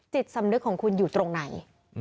จิตสำนึกของคุณอยู่ตรงไหน